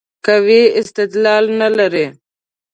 قوي استدلال نه لري.